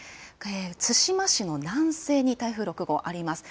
対馬市の南西に台風６号はあります。